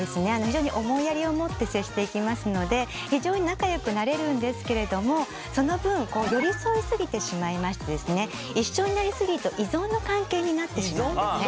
非常に思いやりを持って接していきますので非常に仲良くなれるんですけれどもその分寄り添いすぎてしまいまして一緒になりすぎると依存の関係になってしまうんですね。